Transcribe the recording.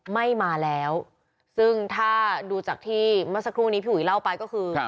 ไม่มาแล้วซึ่งถ้าดูจากที่เมื่อสักครู่นี้พี่อุ๋ยเล่าไปก็คือ